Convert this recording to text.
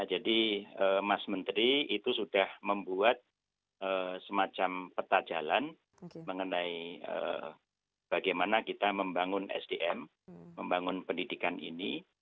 jadi mas menteri itu sudah membuat semacam peta jalan mengenai bagaimana kita membangun sdm membangun pendidikan ini